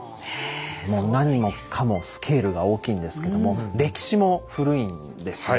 もう何もかもスケールが大きいんですけども歴史も古いんですよ。